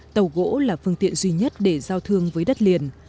tàu gỗ là phương tiện duy nhất để giao thương với đất liền